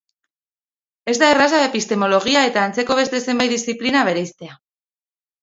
Ez da erraza epistemologia eta antzeko beste zenbait diziplina bereiztea.